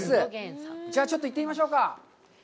じゃあ、ちょっと行ってみましょうか。